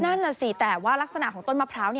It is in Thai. นั่นน่ะสิแต่ว่ารักษณะของต้นมะพร้าว